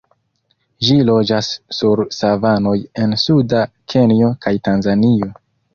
Ĝi loĝas sur savanoj en suda Kenjo kaj Tanzanio.